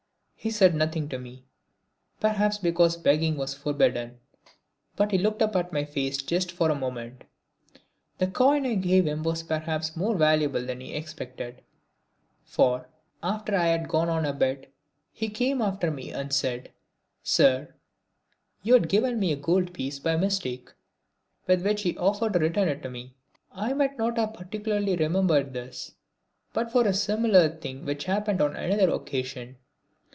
He said nothing to me, perhaps because begging was forbidden, but he looked up at my face just for a moment. The coin I gave him was perhaps more valuable than he expected, for, after I had gone on a bit, he came after me and said: "Sir, you have given me a gold piece by mistake," with which he offered to return it to me. I might not have particularly remembered this, but for a similar thing which happened on another occasion.